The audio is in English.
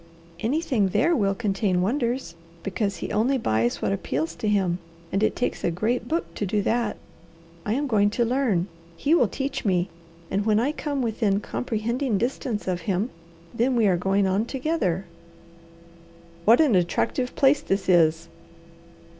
"Anything there will contain wonders, because he only buys what appeals to him, and it takes a great book to do that. I am going to learn. He will teach me, and when I come within comprehending distance of him, then we are going on together." "What an attractive place this is!"